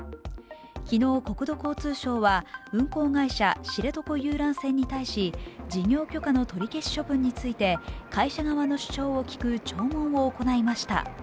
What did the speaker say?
昨日国土交通省は、運航会社知床遊覧船に対し事業許可の取り消し処分について会社側の主張を聞く聴聞を行いました。